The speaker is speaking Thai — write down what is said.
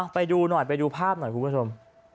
ไปดูหน่อยไปดูภาพหน่อยคุณผู้ชม